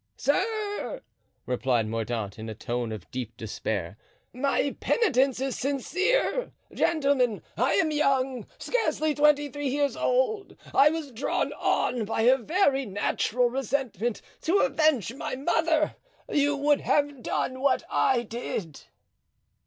"Sir!" replied Mordaunt, in a tone of deep despair, "my penitence is sincere. Gentlemen, I am young, scarcely twenty three years old. I was drawn on by a very natural resentment to avenge my mother. You would have done what I did."